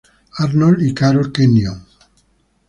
Arnold y Carol Kenyon.